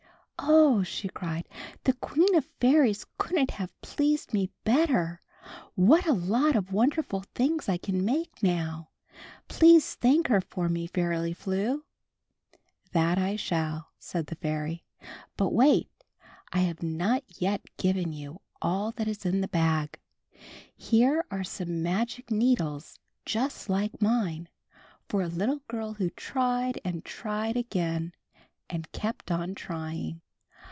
"Oh," she cried, "the Queen of Fairies couldn't have pleased me better! What a lot of wonderful things I can make now. Please thank her for me, Fairly Flew." "That I shall," said the fairy. "But wait— I have not yet given you all that is in the bag. Here are some magic needles just like mine— for a little girl who tried and tried again, and kept on trying."